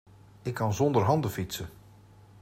Ik kan zonder handen fietsen.